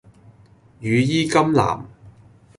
羽衣甘藍